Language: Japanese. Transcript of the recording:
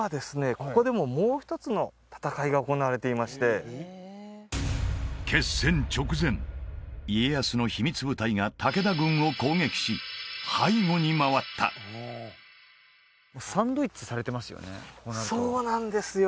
ここでももう一つの戦いが行われていまして決戦直前家康の秘密部隊が武田軍を攻撃し背後に回ったそうなんですよ